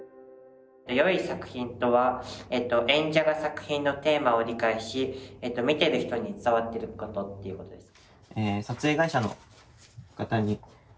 よい作品とは演者が作品のテーマを理解し見てる人に伝わってることっていうことです。